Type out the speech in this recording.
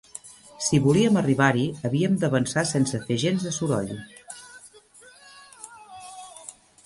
Si volíem arribar-hi, havíem d'avançar sense fer gens de soroll.